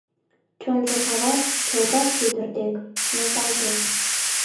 Чонжо каваш, чолга шӱдыр дек, нӧлталтеш.